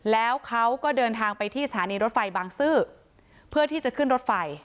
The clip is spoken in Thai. แล้วเขาก็เดินทางไปที่สถานีรถไฟบางซื่อเพื่อที่จะขึ้นรถไฟ